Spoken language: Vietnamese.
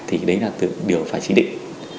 thì đấy là điều phải chỉ định